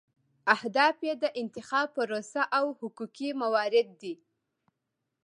اهداف یې د انتخاب پروسه او حقوقي موارد دي.